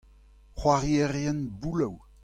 c'hoarierien bouloù.